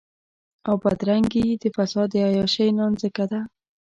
او بدرنګي د فساد د عياشۍ نانځکه ده.